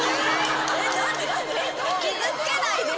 傷つけないで！